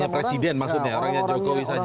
hanya presiden maksudnya orangnya jokowi saja